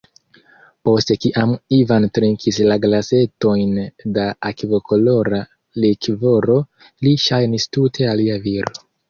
Post kiam Ivan trinkis la glasetojn da akvokolora likvoro, li ŝajnis tute alia viro.